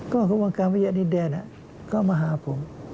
ก็คุณวงการเวียดดินแดนก็มาหาผม